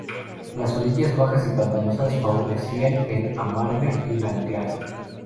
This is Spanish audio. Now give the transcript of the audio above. Las orillas bajas y pantanosas favorecían el amarre y el anclaje.